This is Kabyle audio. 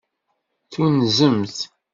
Tunzemt.